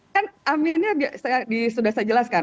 kan aminnya sudah saya jelaskan